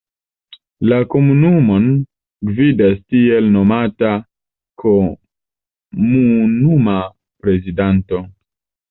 La komunumon gvidas tiel nomata komunuma prezidanto.